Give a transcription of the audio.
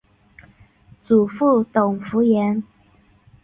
祖父董孚言。